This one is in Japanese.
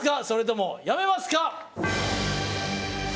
それとも、やめますか？